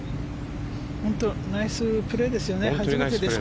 本当にナイスプレーです